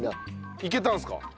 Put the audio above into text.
いけたんですか？